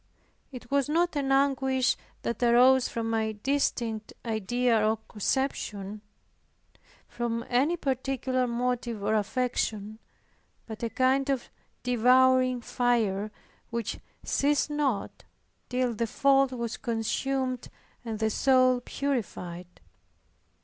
It was not an anguish that arose from any distinct idea or conception, from any particular motive or affection but a kind of devouring fire which ceased not, till the fault was consumed and the soul purified.